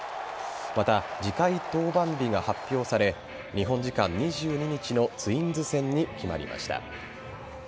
また、次回登板日が発表され日本時間２２日のツインズ戦に決まりました。